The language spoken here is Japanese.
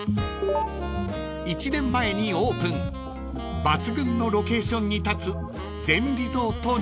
［１年前にオープン抜群のロケーションに立つ］